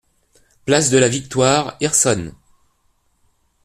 Place de la Victoire, Hirson